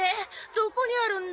どこにあるんだ？